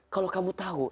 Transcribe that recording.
kalau kamu tahu